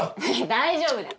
大丈夫だよ